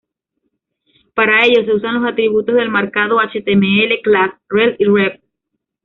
Para ello, se usan los atributos del marcado html class, rel y rev.